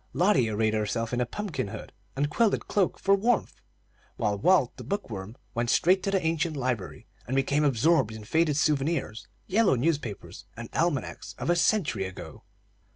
Lotty arrayed herself in a pumpkin hood and quilted cloak for warmth, while Walt, the book worm, went straight to the ancient library, and became absorbed in faded souvenirs, yellow newspapers, and almanacs of a century ago.